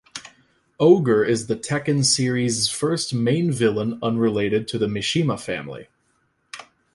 Ogre is the "Tekken" series' first main villain unrelated to the Mishima family.